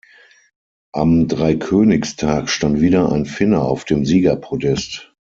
Am Dreikönigstag stand wieder ein Finne auf dem Siegerpodest.